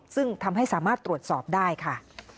ซึ่งทำให้สามารถตรวจสอบได้ค่ะ